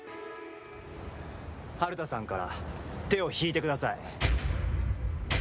春田さんから手を引いてください。